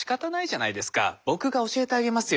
僕が教えてあげますよ。